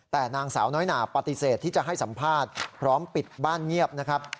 แต่นางสาวน้อยหนาปฏิเสธที่จะให้สัมภาษณ์พร้อมปิดบ้านเงียบนะครับ